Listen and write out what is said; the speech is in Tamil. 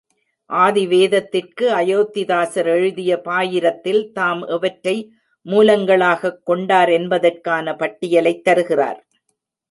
ஆதி வேதத்திற்கு அயோத்திதாசர் எழுதிய பாயிரத்தில் தாம் எவற்றை மூலங்களாகக் கொண்டாரென்பதற்கான பட்டியலைத் தருகிறார்.